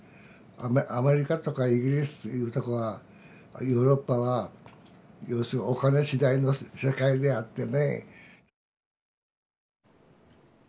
アメリカとかイギリスというとこはヨーロッパは要するにお金次第の世界であってね。